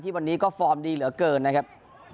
วันนี้ก็ฟอร์มดีเหลือเกินนะครับ